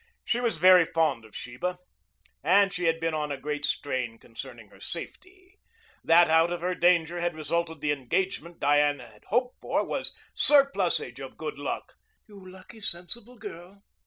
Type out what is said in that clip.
She was very fond of Sheba, and she had been on a great strain concerning her safety. That out of her danger had resulted the engagement Diane had hoped for was surplusage of good luck. "You lucky, sensible girl."